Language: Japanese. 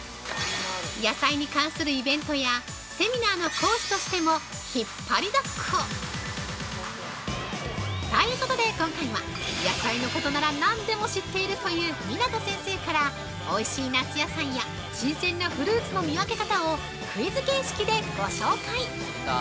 野菜に関するイベントやセミナーの講師としても引っ張りだこ！というで今回は、野菜のことなら何でも知っているという湊先生からおいしい夏野菜や新鮮なフルーツの見分け方をクイズ形式でご紹介！